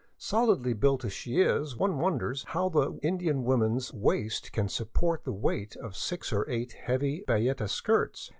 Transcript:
Solidly built as she is, one wonders how the Indian woman's waist can support the weight of six or eight heavy bayeta skirts.